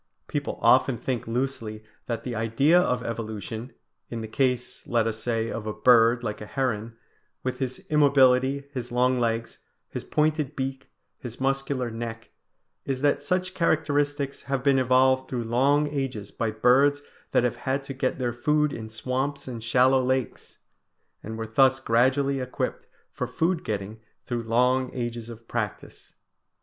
People often think loosely that the idea of evolution, in the case, let us say, of a bird like a heron, with his immobility, his long legs, his pointed beak, his muscular neck, is that such characteristics have been evolved through long ages by birds that have had to get their food in swamps and shallow lakes, and were thus gradually equipped for food getting through long ages of practice.